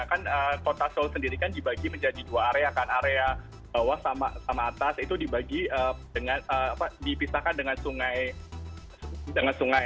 kan kota seoul sendiri kan dibagi menjadi dua area kan area bawah sama atas itu dipisahkan dengan sungai